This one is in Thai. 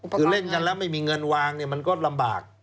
คือเล่นกันแล้วไม่มีเงินวางเนี่ยมันก็ลำบาก